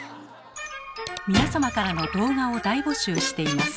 皆様からの動画を大募集しています。